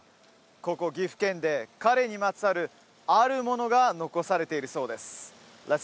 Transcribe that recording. ここ岐阜県で彼にまつわるあるものが残されているそうです